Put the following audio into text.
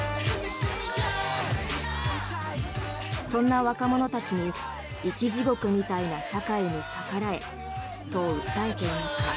そんな若者たちに「生き地獄みたいな社会に逆らえ」と訴えていました。